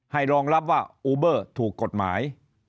รองรับว่าอูเบอร์ถูกกฎหมาย